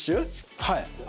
はい。